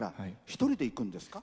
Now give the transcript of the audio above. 一人で行くんですか？